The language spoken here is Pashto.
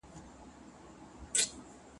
چې هرسهار زما له کیڼ اړخه راپاڅي داسې تکه سره وي